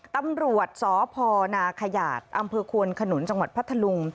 ตำรวจสพนาขยาดอำเภอควนขนุนจังหวัดพัทธลุง